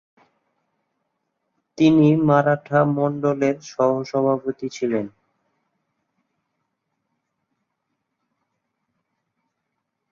তিনি মারাঠা মন্ডলের সহসভাপতি ছিলেন।